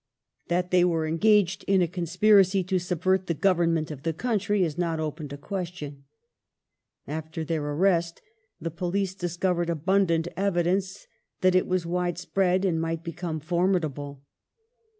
That they were 1873] FENIANISM IN CANADA 375 engaged in a conspiracy to " subvert the government of the country " is not open to question. After their arrest the police discovered abundant evidence that it was widespread and might become formidable.